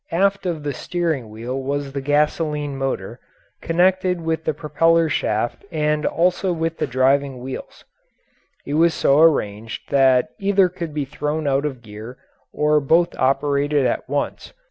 Aft of the steering wheel was the gasoline motor, connected with the propeller shaft and also with the driving wheels; it was so arranged that either could be thrown out of gear or both operated at once.